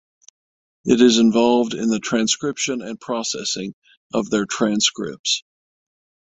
It is involved in the transcription and processing of their transcripts.